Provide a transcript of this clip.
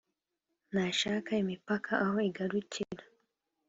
ntashaka imipaka aho igarukira;